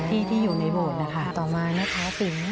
ที่ที่อยู่ในโบสถ์นะคะต่อมานะคะถึง